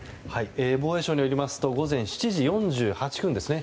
防衛省によりますと午前７時４８分ですね